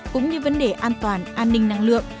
cũng như vấn đề an toàn an ninh năng lượng